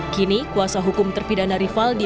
kini kuasa hukum terpidana rivaldi